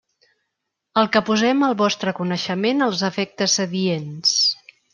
El que posem al vostre coneixement als efectes adients.